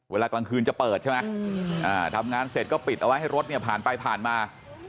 เวลากลางคืนจะเปิดใช่ไหมทำงานเสร็จก็ปิดเอาไว้ให้รถเนี่ยผ่านไปผ่านมา